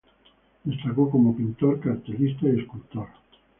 Destacó como pintor, cartelista y escultor.